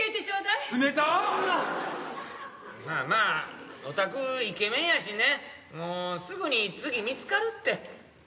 まあまあおたくイケメンやしねもうすぐに次見つかるって。